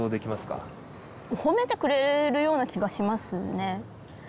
褒めてくれるような気がしますね。